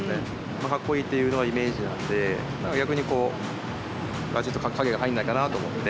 まあかっこいいっていうのがイメージなんで逆にこう影が入んないかなと思って。